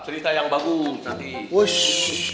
cerita yang bagus